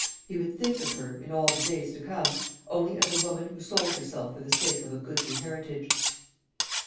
He would think of her, in all the days to come, only as a woman who sold herself for the sake of a goodly heritage.